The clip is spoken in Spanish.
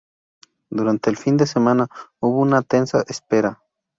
Durante el fin de semana, hubo una tensa espera.